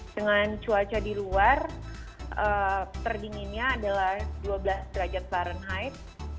dengan cuaca di luar terdinginnya adalah dua belas derajat fahrenheit